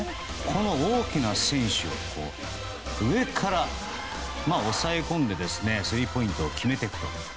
この大きな選手上から押さえ込んでスリーポイントを決めていくと。